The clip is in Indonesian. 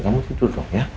kamu tidur dong ya